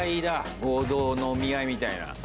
合同のお見合いみたいな。